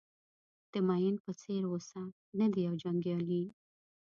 د مین په څېر اوسه نه د یو جنګیالي.